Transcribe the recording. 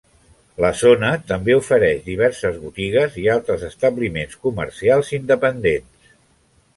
La zona també ofereix diverses botigues i altres establiments comercials independents.